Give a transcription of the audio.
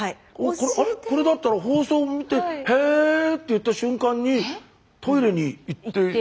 これだったら放送を見て「へえ」って言った瞬間にトイレに行って。